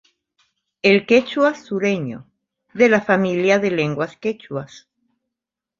El quechua sureño: de la familia de lenguas quechuas.